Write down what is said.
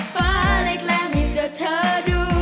ฟ้าเล็กแรงไม่เจอเธอดู